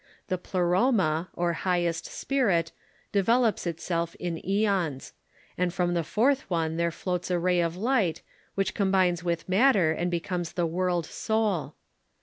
The pleroma, or highest spirit, de velops itself in seons ; and from the fourth one there floats a ray of light, which combines with matter, and becomes the world soul.